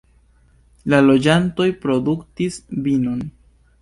La loĝantoj produktis vinon.